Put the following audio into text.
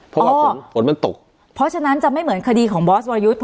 เพราะว่าผลผลมันตกเพราะฉะนั้นจะไม่เหมือนคดีของบอสวรยุทธ์